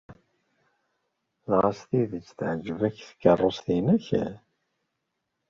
Dɣa s tidet teɛjeb-ak tkeṛṛust-nnek?